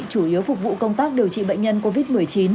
chủ yếu phục vụ công tác điều trị bệnh nhân covid một mươi chín